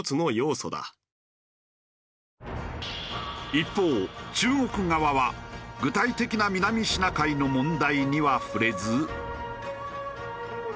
一方中国側は具体的な南シナ海の問題には触れず。